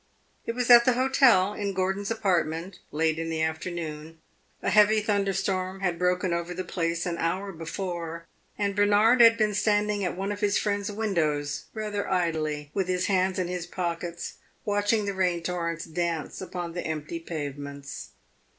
It was at the hotel, in Gordon's apartment, late in the afternoon. A heavy thunder storm had broken over the place an hour before, and Bernard had been standing at one of his friend's windows, rather idly, with his hands in his pockets, watching the rain torrents dance upon the empty pavements.